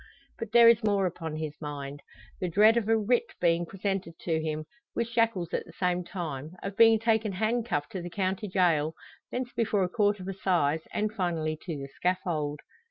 But there is more upon his mind; the dread of a writ being presented to him, with shackles at the same time of being taken handcuffed to the county jail thence before a court of assize and finally to the scaffold!